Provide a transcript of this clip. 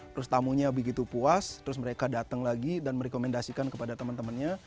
terus tamunya begitu puas terus mereka datang lagi dan merekomendasikan kepada teman temannya